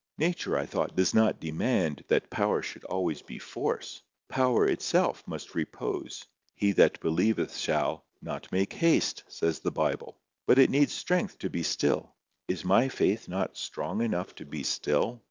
"Nature," I thought, "does not demand that power should always be force. Power itself must repose. He that believeth shall—not make haste, says the Bible. But it needs strength to be still. Is my faith not strong enough to be still?"